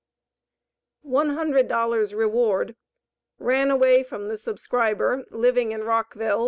ONE HUNDRED DOLLARS REWARD. Ran away from the subscriber, living in Rockville.